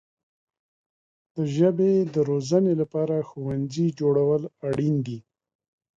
د ژبې د روزنې لپاره ښوونځي جوړول اړین دي.